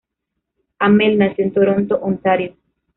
Amell nació en Toronto, Ontario.